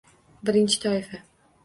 Birinchi toifa